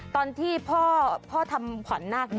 ตอนที่พ่อทำขวัญนาค